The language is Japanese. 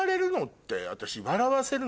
私。